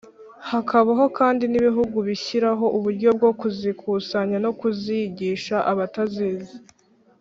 hakabaho kandi n’ibihugu bishyiraho uburyo bwo kuzikusanya no kuzigisha abatazizi